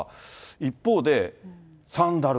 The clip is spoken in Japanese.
一方で、サンダル。